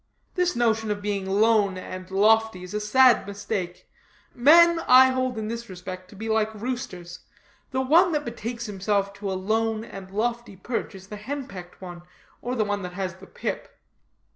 This notion of being lone and lofty is a sad mistake. Men I hold in this respect to be like roosters; the one that betakes himself to a lone and lofty perch is the hen pecked one, or the one that has the pip."